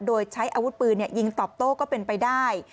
โดยใช้อาวุธปืนยิงตอบโต้ก็เป็นไปได้